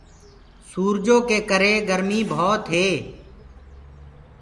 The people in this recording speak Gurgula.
سورجو ڪي ڪري گآرمي ڀوت هي۔